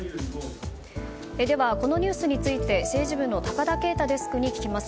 このニュースについて、政治部の高田圭太デスクに聞きます。